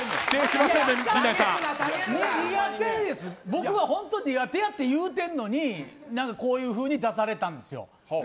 僕は本当に苦手やって言うてるのにこういうふうに出されたんですよ。